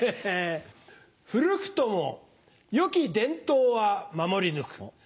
古くとも良き伝統は守り抜く。